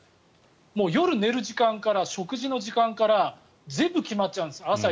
夜、寝る時間から食事の時間から全部決まっちゃうんです。